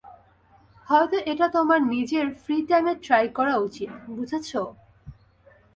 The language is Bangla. হয়তো এটা তোমার নিজের ফ্রি টাইমে ট্রাই করা উচিত, বুঝেছ?